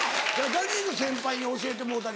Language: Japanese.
ジャニーズ先輩に教えてもろうたり？